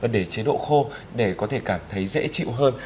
để chế độ khô để có thể cảm thấy dễ chịu hơn